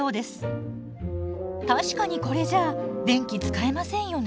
確かにこれじゃ電気使えませんよね。